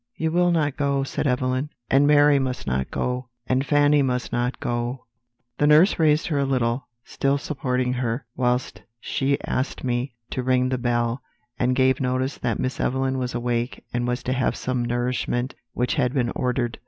"'You will not go,' said Evelyn; 'and Mary must not go, and Fanny must not go.' "The nurse raised her a little, still supporting her, whilst she asked me to ring the bell, and gave notice that Miss Evelyn was awake and was to have some nourishment which had been ordered.